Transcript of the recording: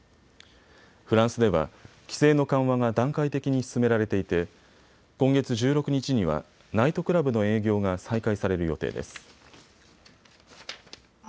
フランスでは規制の緩和が段階的に進められていて今月１６日にはナイトクラブの営業が再開される予定です。